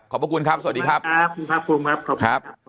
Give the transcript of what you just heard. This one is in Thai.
ขอบคุณครับคุณพระภูมิครับ